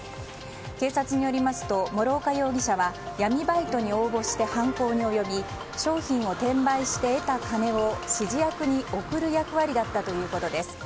警察によりますと、諸岡容疑者は闇バイトに応募して犯行に及び商品を転売して得た金を指示役に送る役割だったということです。